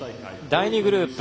第２グループ